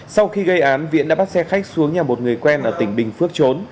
sau khi gây án viễn đã bắt xe khách xuống nhà một người quen ở tỉnh bình phước trốn